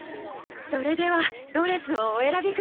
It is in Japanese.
それではドレスをお選びください。